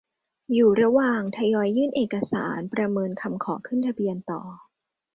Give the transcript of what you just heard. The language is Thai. อยู่ระหว่างทยอยยื่นเอกสารประเมินคำขอขึ้นทะเบียนต่อ